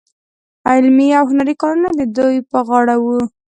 علمي او هنري کارونه د دوی په غاړه وو.